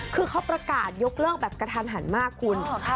คือเขาประกาศยกเลิกแบบกระทันหันมากคุณ